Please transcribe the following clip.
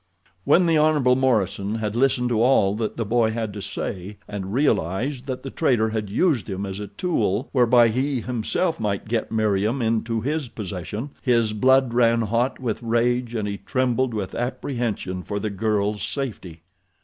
When the Hon. Morison had listened to all that the boy had to say and realized that the trader had used him as a tool whereby he himself might get Meriem into his possession, his blood ran hot with rage and he trembled with apprehension for the girl's safety.